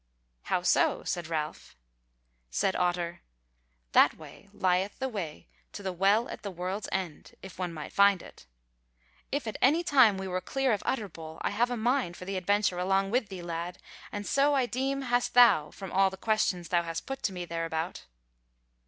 "How so?" said Ralph. Said Otter: "That way lieth the way to the Well at the World's End, if one might find it. If at any time we were clear of Utterbol, I have a mind for the adventure along with thee, lad, and so I deem hast thou from all the questions thou hast put to me thereabout."